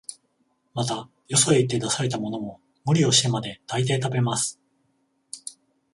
また、よそへ行って出されたものも、無理をしてまで、大抵食べます